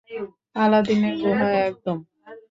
আলাদিনের গুহা একদম!